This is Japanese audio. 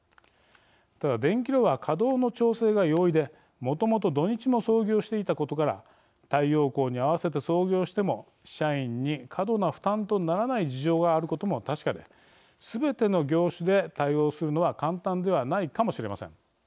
ただ、電気炉は稼働の調整が容易でもともと土日も操業していたことから太陽光に合わせて操業しても社員に過度な負担とならない事情があることも確かですべての業種で対応するのは簡単ではないかもしれません。